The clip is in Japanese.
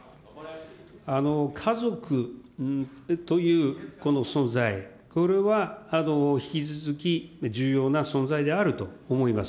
家族というこの存在、これは引き続き重要な存在であると思います。